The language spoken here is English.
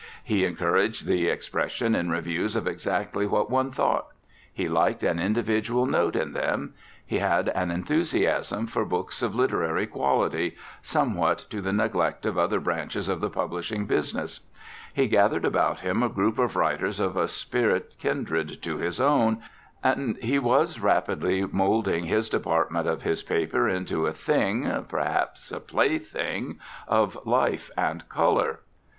He encouraged the expression in reviews of exactly what one thought; he liked an individual note in them; he had an enthusiasm for books of literary quality, somewhat to the neglect of other branches of the publishing business; he gathered about him a group of writers of a spirit kindred to his own; and he was rapidly moulding his department of his paper into a thing, perhaps a plaything, of life and colour.